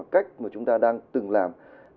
cách mà chúng ta đang từng làm